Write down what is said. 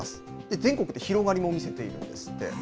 全国で、広がりも見せているんですって。